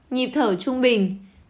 nhịp thở trung bình